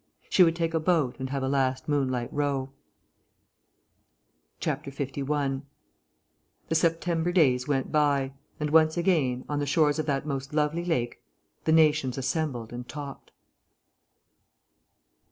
She would take a boat and have a last moonlight row. 51 The September days went by, and once again, on the shores of that most lovely lake, the nations assembled and talked.